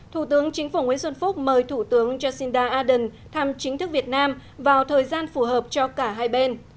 thủ tướng chính phủ nguyễn xuân phúc mời thủ tướng jacinda ardern thăm chính thức việt nam vào thời gian phù hợp cho cả hai bên